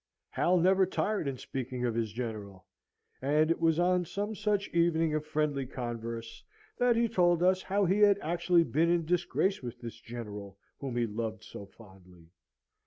Hal never tired in speaking of his General; and it was on some such evening of friendly converse, that he told us how he had actually been in disgrace with this General whom he loved so fondly.